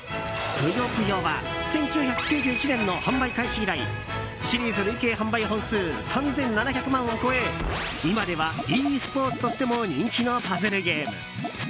「ぷよぷよ」は１９９１年の販売開始以来シリーズ累計販売本数３７００万を超え今ではｅスポーツとしても人気のパズルゲーム。